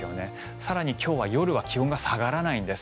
更に、今日は気温が下がらないんです。